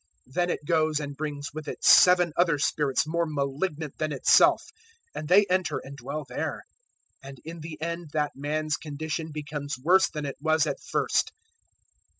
011:026 Then it goes and brings with it seven other spirits more malignant than itself, and they enter and dwell there; and in the end that man's condition becomes worse than it was at first.